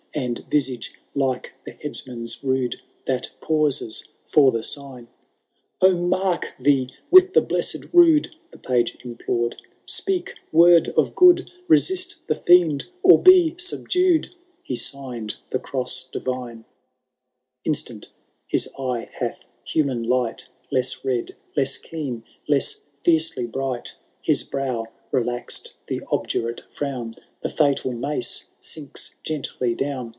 And visage like the headsman's rude That pauses for the sign. *^ O mark thee with the blessed rood," The Page implored \^ Speak word of good, 180 UABOLD THE DAUNTLX8S. CtUlio V. Reoflt the fiend, or be subdued !He signed tiie cross divine— Instant his eye hath human light, Less red, less keen, less fiercely bright ; His brow relaxed the obdurate frown, The fatal mace sinks gently down.